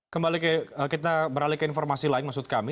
kembali kita beralih ke informasi lain maksud kami